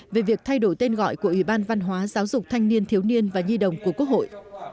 về việc thay đổi tên gọi của ủy ban văn hóa giáo dục thanh niên thiếu niên và nhi đồng của quốc hội